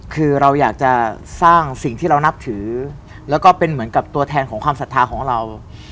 คือเราอยากจะสร้างสิ่งที่เรานับถือแล้วก็เป็นเหมือนกับตัวแทนของความศรัทธาของเรา